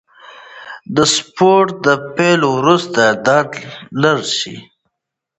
د سپورت د پیل وروسته درد لږ شي.